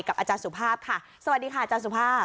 อาจารย์สุภาพค่ะสวัสดีค่ะอาจารย์สุภาพ